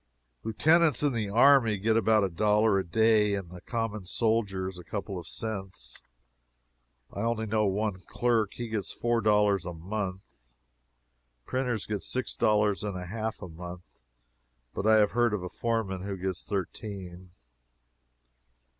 Lieutenants in the army get about a dollar a day, and common soldiers a couple of cents. I only know one clerk he gets four dollars a month. Printers get six dollars and a half a month, but I have heard of a foreman who gets thirteen.